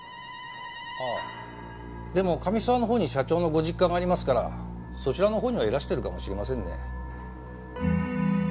ああでも上諏訪のほうに社長のご実家がありますからそちらのほうにはいらしてるかもしれませんね。